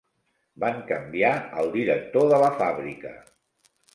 Van canviar el director de la fàbrica.